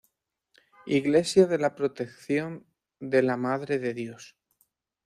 Iglesia de la Protección de la Madre de Dios